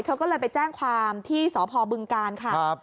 เขาก็เลยไปแจ้งความที่สบบึงการค่ะครับ